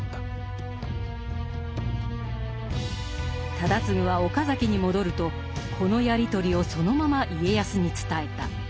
忠次は岡崎に戻るとこのやり取りをそのまま家康に伝えた。